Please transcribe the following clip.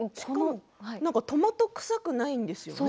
トマトくさくないんですよね。